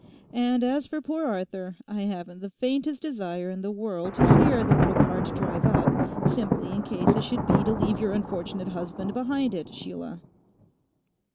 And as for poor Arthur—I haven't the faintest desire in the world to hear the little cart drive up, simply in case it should be to leave your unfortunate husband behind it, Sheila.